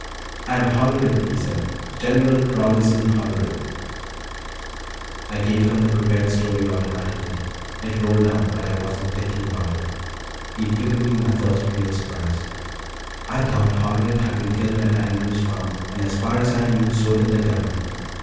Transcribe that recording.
"I'm Hollerith," he said. "General Rawlinson Hollerith." I gave him the prepared story automatically; it rolled out but I wasn't thinking about it. He'd given me my first real surprise; I'd thought Hollerith had been killed at Andrew's Farm, and, as far as I knew, so did the Government.